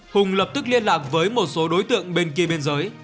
hùng lập tức liên lạc với một số đối tượng bên kia biên giới